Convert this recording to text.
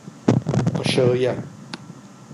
Aşağıya!